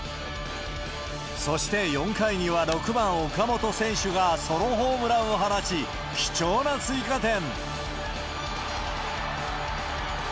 そして４回には、６番岡本選手がソロホームランを放ち、貴重な追加点。